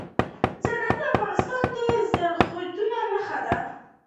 زردالو د افغانستان د زرغونتیا نښه ده.